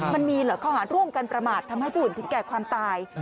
มันมีเหรอข้อหารร่วมกันประมาททำให้ผู้อื่นถึงแก่ความตาย